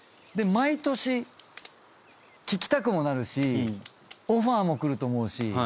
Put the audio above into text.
毎年聴きたくもなるしオファーも来ると思うし。